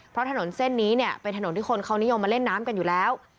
เพราะถนนเส้นนี้เนี่ยเป็นถนนที่คนเขานิยมมาเล่นน้ำกันอยู่แล้ว